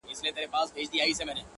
اسان به نه وي خو ديدن به دې کومه داسې!!